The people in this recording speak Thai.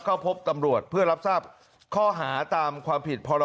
เข้าพบตำรวจเพื่อรับทราบข้อหาตามความผิดพร